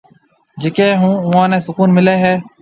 جڪي اوئون نيَ سُڪون مليَ هيَ